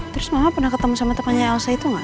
terus mama pernah ketemu sama temennya elsa itu gak